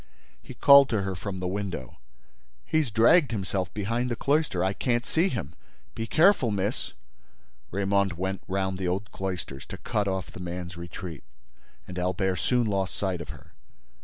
He called to her from the window: "He's dragged himself behind the cloister. I can't see him. Be careful, miss—" Raymonde went round the old cloisters, to cut off the man's retreat, and Albert soon lost sight of her.